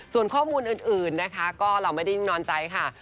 ส่วนข้อมูลอื่นนะคะก็เราไม่ได้นิ่งนอนใจค่ะ